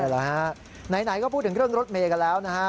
ไหนก็พูดถึงเรื่องรถเมธัยกันแล้วนะฮะ